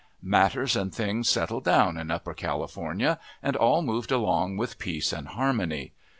Matters and things settled down in Upper California, and all moved along with peace and harmony.